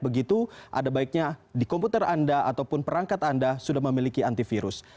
baiknya di komputer anda atau perangkat anda sudah memiliki antivirus